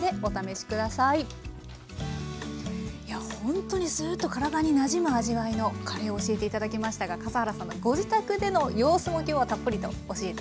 ほんとにスーッと体になじむ味わいのカレーを教えて頂きましたが笠原さんのご自宅での様子も今日はたっぷりと教えて頂きました。